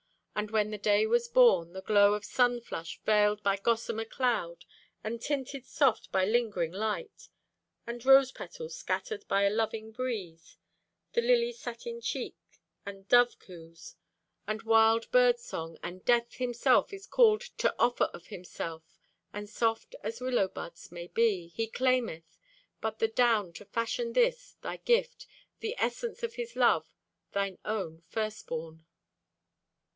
And when the day was born, The glow of sun flush, veiled by gossamer cloud And tinted soft by lingering night; And rose petals, scattered by a loving breeze; The lily's satin cheek, and dove cooes, And wild bird song, and Death himself Is called to offer of himself; And soft as willow buds may be, He claimeth but the down to fashion this, thy gift, The essence of His love, thine own first born.